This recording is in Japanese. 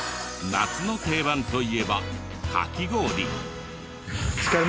夏の定番といえばカキ氷。